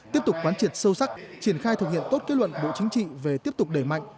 tiếp tục quán triệt sâu sắc triển khai thực hiện tốt kết luận bộ chính trị về tiếp tục đẩy mạnh